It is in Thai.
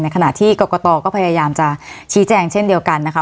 ขณะที่กรกตก็พยายามจะชี้แจงเช่นเดียวกันนะคะ